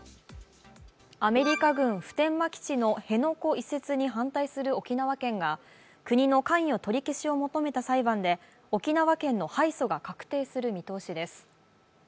アメリカ軍普天間基地の辺野古移設に反対する沖縄県が国の関与取り消しを求めた裁判で沖縄県の敗訴が確定する見通しです。